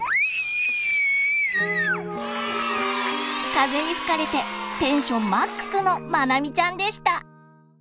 風に吹かれてテンションマックスのまなみちゃんでした。